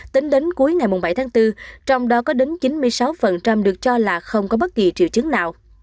tính đến cuối ngày bảy tháng bốn trong đó có đến chín mươi sáu được cho là không có bất kỳ triệu chứng nào